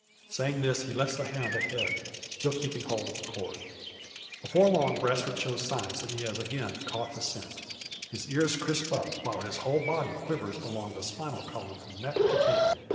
Saying this, he lets the hound ahead, still keeping hold of the cord. Before long, Brasfort shows signs that he has again caught scent. His ears crisp up, while his whole body quivers along the spinal column from neck to tail.